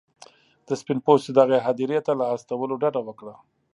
د سپین پوستو دغې هدیرې ته له استولو ډډه وکړه.